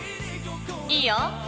いいよ。